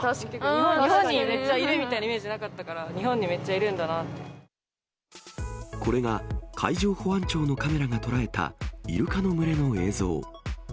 日本にめっちゃいるみたいなイメージなかったから、これが、海上保安庁のカメラが捉えたイルカの群れの映像。